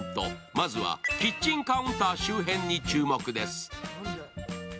まずはキッチンカウンター周辺に注目です。